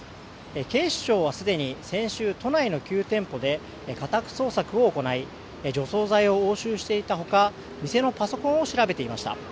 警視庁はすでに先週、都内の９店舗で家宅捜索を行い除草剤を押収していたほか店のパソコンを調べていました。